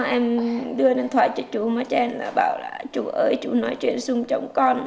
em đưa điện thoại cho chú má trang là bảo là chú ơi chú nói chuyện súng chồng con